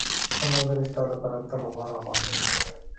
ښه ملګری ستا لپاره تل غوره غواړي.